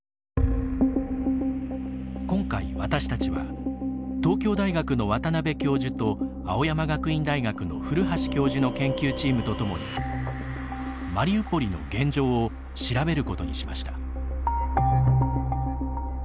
今回私たちは東京大学の渡邉教授と青山学院大学の古橋教授の研究チームとともにマリウポリの現状を調べることにしました。